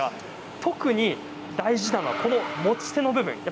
特に大事なのは持ち手の部分です。